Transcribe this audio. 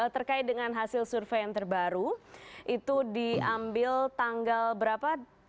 terkait dengan hasil survei yang terbaru itu diambil tanggal berapa